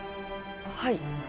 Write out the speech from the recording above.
はい。